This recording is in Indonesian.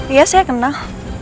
iya saya kenal